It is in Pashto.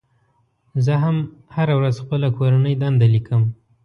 زه هم هره ورځ خپله کورنۍ دنده لیکم.